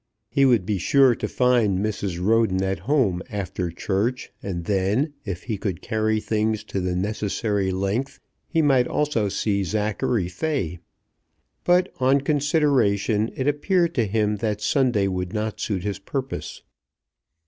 He would be sure to find Mrs. Roden at home after church, and then, if he could carry things to the necessary length, he might also see Zachary Fay. But on consideration it appeared to him that Sunday would not suit his purpose.